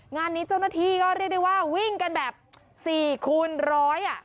งานนี้เจ้าหน้าที่ก็เรียกได้ว่าวิ่งกันแบบสี่คูณร้อยอ่ะ